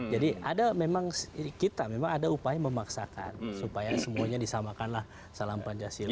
ada memang kita memang ada upaya memaksakan supaya semuanya disamakanlah salam pancasila